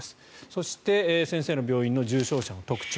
そして先生の病院の重症者の特徴